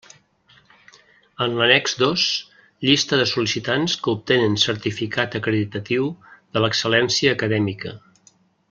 En l'annex dos, llista de sol·licitants que obtenen certificat acreditatiu de l'excel·lència acadèmica.